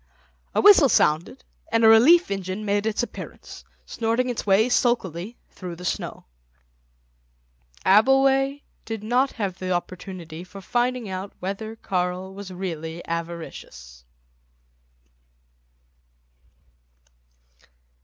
A whistle sounded, and a relief engine made its appearance, snorting its way sulkily through the snow. Abbleway did not have the opportunity for finding out whether Karl was really avaricious.